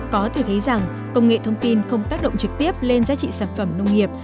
có thể thấy rằng công nghệ thông tin không tác động trực tiếp lên giá trị sản phẩm nông nghiệp